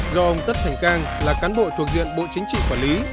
do ông tất thành cang là cán bộ thuộc diện bộ chính trị quản lý